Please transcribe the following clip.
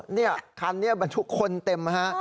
อ้อเนี่ยขั้นนี้บรรทุกคนเต็มฮะ